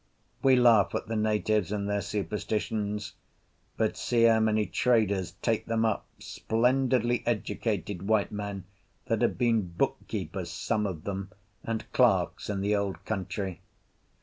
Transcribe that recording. We laugh at the natives and their superstitions; but see how many traders take them up, splendidly educated white men, that have been book keepers (some of them) and clerks in the old country.